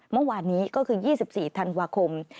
เมื่อวานนี้ก็คือ๒๔ธันวาคม